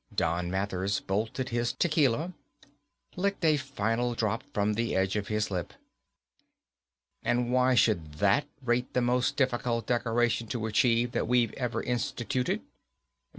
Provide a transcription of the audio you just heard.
Don Mathers bolted his tequila, licked a final drop from the edge of his lip. "And why should that rate the most difficult decoration to achieve that we've ever instituted?"